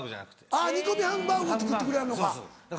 あぁ煮込みハンバーグを作ってくれはるのか。